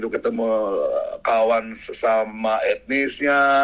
ketemu kawan sesama etnisnya